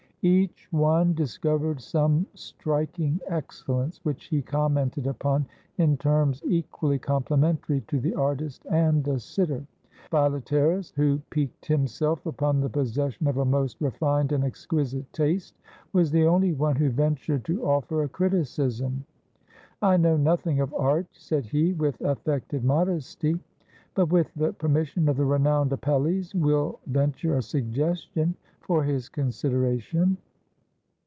Each one discovered some striking excellence, which he commented upon in terms equally complimentary to the artist and the sitter. Philetaerus, who piqued him self upon the possession of a most refined and exquisite taste, was the only one who ventured to offer a criticism. *'I know nothing of art," said he with affected modesty, "but, with the permission of the renowned Apelles, will venture a suggestion for his consideration.